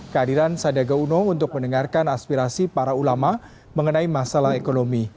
kehadiran sandiaga uno untuk mendengarkan aspirasi para ulama mengenai masalah ekonomi